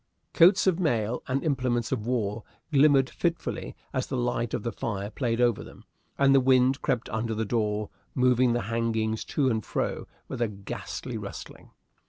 Coats of mail and implements of war glimmered fitfully as the light of the fire played over them, and the wind crept under the door, moving the hangings to and fro with a ghastly rustling.